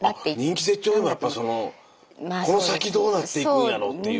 人気絶頂でもやっぱこの先どうなっていくんやろうっていう。